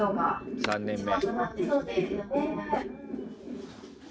３年目。